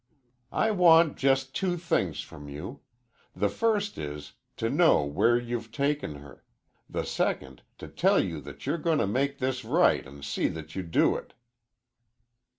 "I want just two things from you. The first is, to know where you've taken her; the second, to tell you that you're goin' to make this right an' see that you do it."